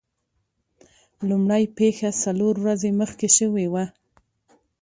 لومړۍ پیښه څلور ورځې مخکې شوې وه.